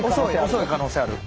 遅い可能性ある。